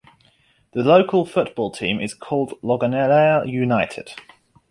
The local football team is called Loganlea United.